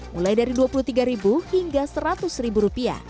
mulai dari rp dua puluh tiga hingga rp seratus